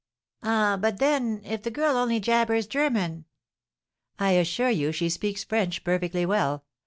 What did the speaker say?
"Ah, but then, if the girl only jabbers German?" "I assure you she speaks French perfectly well.